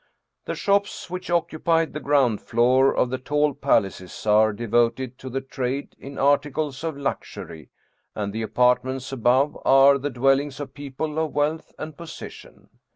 The shops which occupy the ground floor of the tall palaces are devoted to the trade in articles of luxury, and the apart ments above are the dwellings of people of wealth and position.